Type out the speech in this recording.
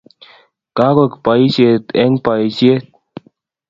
Kakobek boishet eng boishet